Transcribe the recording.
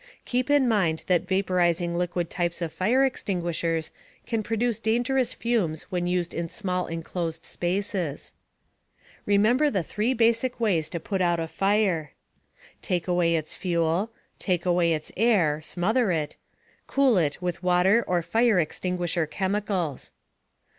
Keep in mind that vaporizing liquid types of fire extinguishers can produce dangerous fumes when used in small enclosed spaces. Remember the 3 basic ways to put out a fire: * Take away its fuel. * Take away its air (smother it). * Cool it with water or fire extinguisher chemicals.